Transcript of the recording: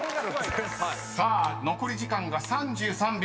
［さあ残り時間が３３秒４３］